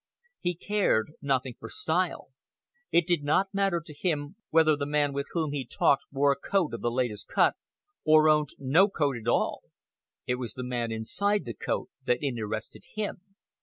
He cared nothing for style. It did not matter to him whether the man with whom he talked wore a coat of the latest cut, or owned no coat at all. It was the man inside the coat that interested him.